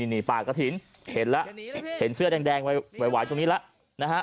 นี่ปากกระถินเห็นเสื้อแดงไว้ตรงนี้แล้ว